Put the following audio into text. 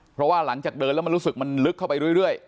เพราะว่าหลังจากเดินแล้วมันรู้สึกมันลึกเข้าไปเรื่อย